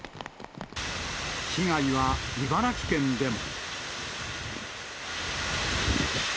被害は茨城県でも。